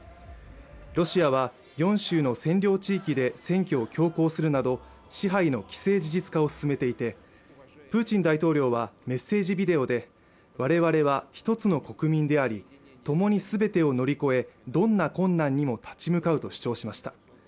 ロシアは４州の占領地域で選挙を強行するなど支配の既成事実化を進めていてプーチン大統領はメッセージビデオで我々は一つの国民でありともに全てを乗り越えどんな困難にも立ち向かうと主張しました